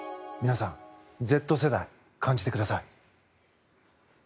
皆さん、Ｚ世代感じてください。